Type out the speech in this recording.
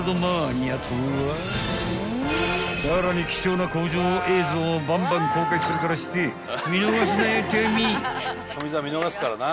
［さらに貴重な工場映像もバンバン公開するからして見逃すなよトミー］